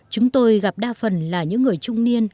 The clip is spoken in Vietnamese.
chúng tôi gặp đa phần là những người trung niên